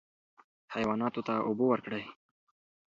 حیواناتو ته اوبه ورکړئ.